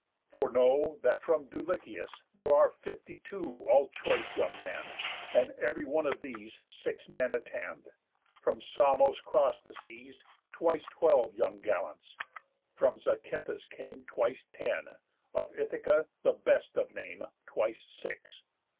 For know, That from Dulichius there are fifty two, All choice young men; and ev'ry one of these Six men attend. From Samos cross'd the seas Twice twelve young gallants. From Zacynthus came Twice ten. Of Ithaca, the best of name, Twice six.